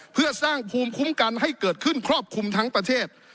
เพื่อสร้างภูมิคุ้มกันให้เกิดขึ้นครอบคลุมทั้งประเทศ